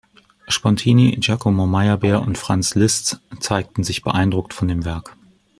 Spontini, Giacomo Meyerbeer und Franz Liszt zeigten sich beeindruckt von dem Werk.